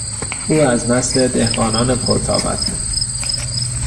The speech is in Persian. او از نسل دهقانان پر طاقت بود.